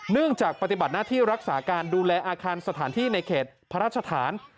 เนื่องจากปฏิบัติหน้าที่รักษาการดูแลอาคารสถานที่ในเขตพระราชฐาน